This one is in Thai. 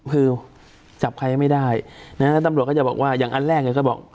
คือจับใครก็ไม่ได้ดังนั้นตำรวจก็จะบอกว่าอย่างอันแรกก็จะบอก